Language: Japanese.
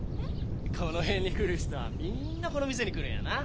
この辺に来る人はみんなこの店に来るんやな。